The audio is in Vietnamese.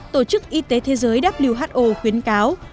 tổ chức y tế thế giới who khuyến cáo